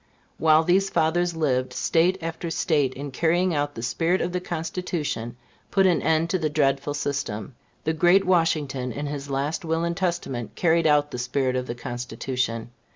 While these fathers lived, State after State, in carrying out the spirit of the Constitution, put an end to the dreadful system. The great Washington, in his last will and testament, carried out the spirit of the Constitution.